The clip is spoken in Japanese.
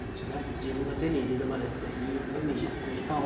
自分が手に入れるまでっていうふうに決めてたんで。